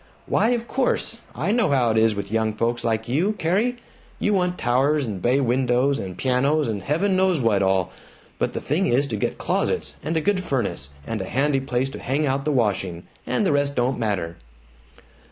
"Why of course! I know how it is with young folks like you, Carrie; you want towers and bay windows and pianos and heaven knows what all, but the thing to get is closets and a good furnace and a handy place to hang out the washing, and the rest don't matter."